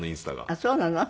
あっそうなの？